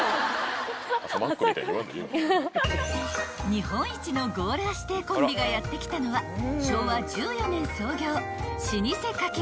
［日本一のゴーラー師弟コンビがやって来たのは昭和１４年創業老舗かき氷店］